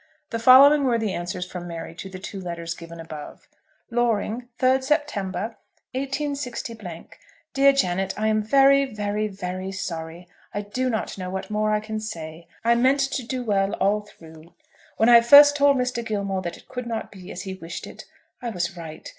The following were the answers from Mary to the two letters given above; Loring, 3rd September, 186 . DEAR JANET, I am very, very, very sorry. I do not know what more I can say. I meant to do well all through. When I first told Mr. Gilmore that it could not be as he wished it, I was right.